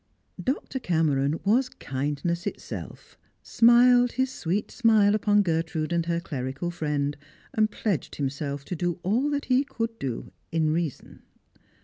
Dr. Cameron was kindness itself; smiled his sweet smile upon Gertrude and her clerical friend; pledged himself to do all that he could do, in reason.